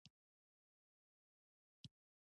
د افغانستان بنسټ ايښودونکی احمدشاه بابا دی.